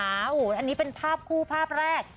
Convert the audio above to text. อันนี้เป็นภาพคู่ภาพแรก